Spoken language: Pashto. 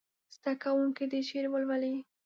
زده کوونکي دې شعر ولولي.